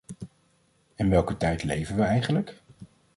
In welke tijd leven we eigenlijk?